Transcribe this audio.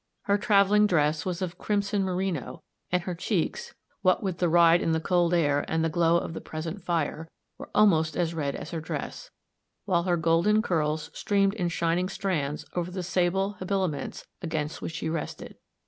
Her traveling dress was of crimson merino, and her cheeks what with the ride in the cold air, and the glow of the present fire, were almost as red as her dress; while her golden curls streamed in shining strands over the sable habiliments against which she rested.